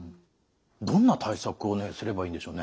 どんな対策をすればいいんでしょうね？